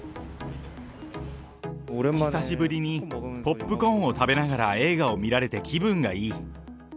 久しぶりにポップコーンを食べながら、映画を見られて気分がいい。